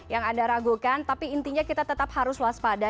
yang anda ragukan tapi intinya kita tetap harus waspada